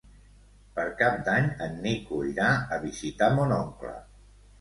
Per Cap d'Any en Nico irà a visitar mon oncle.